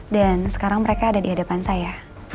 dan sekarang mereka ada di hadapan saya